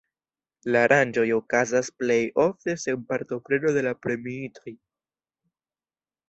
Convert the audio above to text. La aranĝoj okazas plej ofte sen partopreno de la premiitoj.